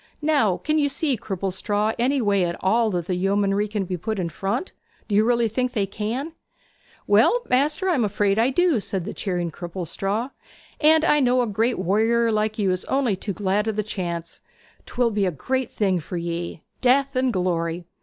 Now, can you see, Cripplestraw, any way at all that the yeomanry can be put in front? Do you think they really can?' 'Well, maister, I am afraid I do,' said the cheering Cripplestraw. 'And I know a great warrior like you is only too glad o' the chance. 'Twill be a great thing for ye, death and glory!